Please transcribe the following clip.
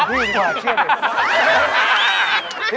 ของพี่ดีกว่าเชื่อพี่